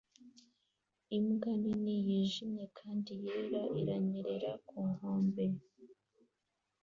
Imbwa nini yijimye kandi yera iranyerera ku nkombe